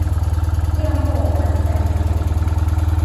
验货完再付钱